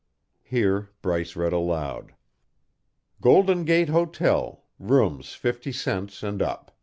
Here Bryce read aloud: Golden Gate Hotel Rooms fifty cents and up.